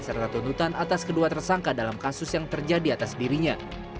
serta tuntutan atas kedua tersangka dalam kasus yang terjadi atas dirinya